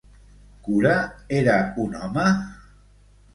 Cura era un home?